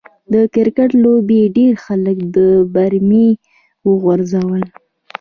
د کرکټ لوبې ډېر خلک د برمې و غورځول.